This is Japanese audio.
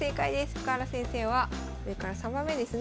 深浦先生は上から３番目ですね。